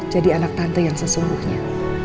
jadi anak tante yang sesungguhnya